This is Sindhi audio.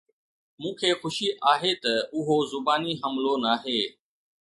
مون کي خوشي آهي ته اهو زباني حملو ناهي